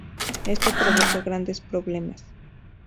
Esto provoca grandes problemas.